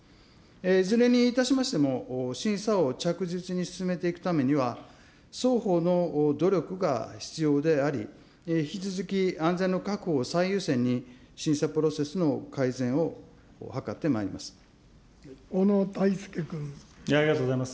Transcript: いずれにいたしましても、審査を着実に進めていくためには、双方の努力が必要であり、引き続き安全の確保を最優先に、審査プロセスの改善を図ってまいります。